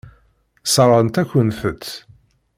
Sseṛɣent-akent-t.